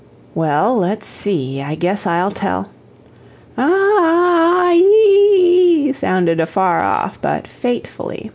"Well, let's see; I guess I'll tell " "Ah ah ah ah ee ee ee," sounded afar off, but fatefully.